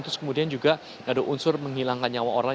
terus kemudian juga ada unsur menghilangkan nyawa orang